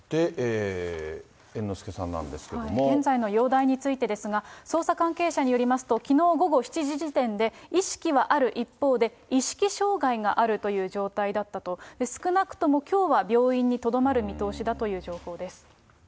現在の容体についてですが、捜査関係者によりますと、きのう午後７時時点で意識はある一方で、意識障害があるという状態だったと。少なくともきょうは病院にとどまる見通しだという情報です。